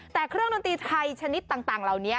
แต่เครื่องดนตรีไทยชนิดต่างเหล่านี้